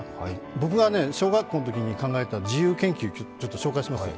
僕が小学校のときに考えた自由研究、紹介しますよ。